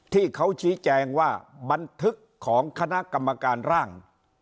ที่เขาชี้แจงว่าบันทึกของคณะกรรมการร่าง